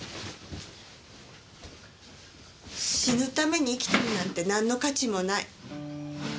「死ぬために生きてるなんてなんの価値もない」。